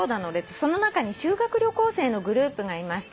「その中に修学旅行生のグループがいました」